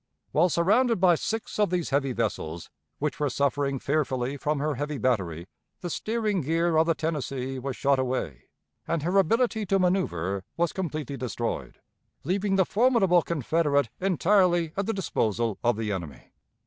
While surrounded by six of these heavy vessels which were suffering fearfully from her heavy battery, the steering gear of the Tennessee was shot away, and her ability to manoeuvre was completely destroyed, leaving the formidable Confederate entirely at the disposal of the enemy.